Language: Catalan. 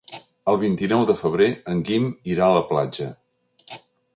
El vint-i-nou de febrer en Guim irà a la platja.